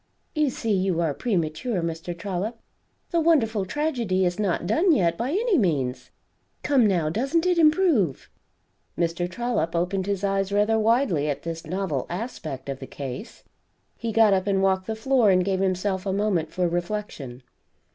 You see you are premature, Mr. Trollop, the wonderful tragedy is not done yet, by any means. Come, now, doesn't it improve?" Mr Trollop opened his eyes rather widely at this novel aspect of the case. He got up and walked the floor and gave himself a moment for reflection.